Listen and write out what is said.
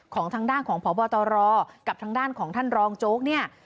ของทางด้านของพบตรกับทางด้านของท่านรองโจ๊กเนี่ย